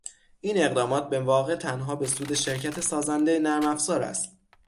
این اقدامات به واقع تنها به سود شرکت سازنده نرمافزار است